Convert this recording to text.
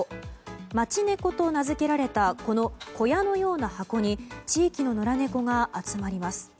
街猫と名付けられたこの小屋のような箱に地域の野良猫が集まります。